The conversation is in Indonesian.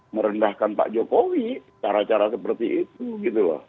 merendahkan pak jokowi cara cara seperti itu gitu loh